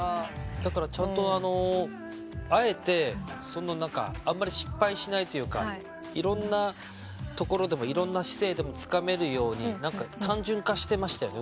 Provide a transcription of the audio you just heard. だからちゃんとあえてあんまり失敗しないというかいろんな所でもいろんな姿勢でもつかめるように何か単純化してましたよね